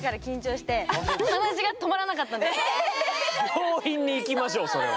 病院に行きましょうそれは。